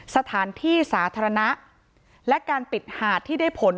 สถานที่สาธารณะและการปิดหาดที่ได้ผล